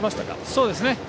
そうですね。